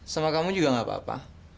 sama kamu juga gak apa apa